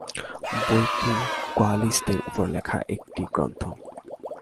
বইটি কোয়ালিস্টদের উপর লেখা একটি গ্রন্থ।